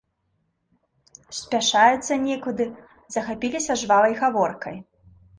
Спяшаюцца некуды, захапіліся жвавай гаворкай.